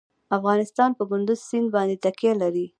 افغانستان په کندز سیند باندې تکیه لري.